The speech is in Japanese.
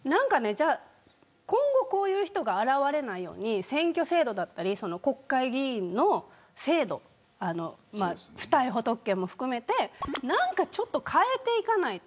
今後こういう人が現れないように選挙制度だったり国会議員の制度不逮捕特権も含めて何か変えていかないと。